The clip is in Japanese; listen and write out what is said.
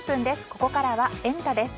ここからはエンタ！です。